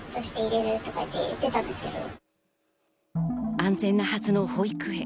安全なはずの保育園。